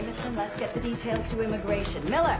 はい。